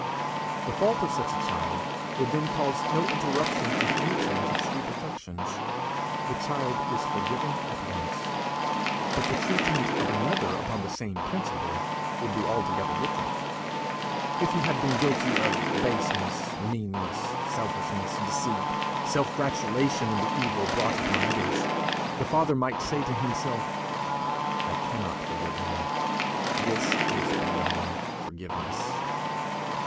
The fault of such a child would then cause no interruption of the interchange of sweet affections. The child is forgiven at once. But the treatment of another upon the same principle would be altogether different. If he had been guilty of baseness, meanness, selfishness, deceit, self gratulation in the evil brought upon others, the father might say to himself: "I cannot forgive him. This is beyond forgiveness."